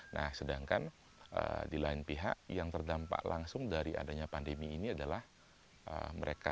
nah sedangkan di lain pihak yang terdampak langsung dari adanya pandemi ini adalah mereka